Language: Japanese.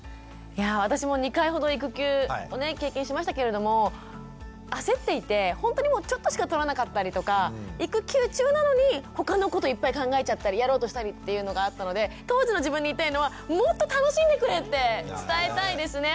私も２回ほど育休をね経験しましたけれども焦っていてほんとにもうちょっとしか取らなかったりとか育休中なのに他のこといっぱい考えちゃったりやろうとしたりっていうのがあったので当時の自分に言いたいのはもっと楽しんでくれって伝えたいですね。